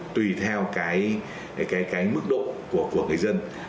tùy theo cái mức độ của người dân